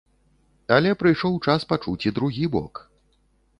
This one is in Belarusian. Але прыйшоў час пачуць і другі бок.